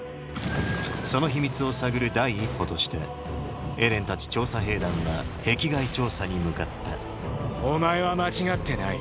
その秘密を探る第一歩としてエレンたち調査兵団は壁外調査に向かったお前は間違ってない。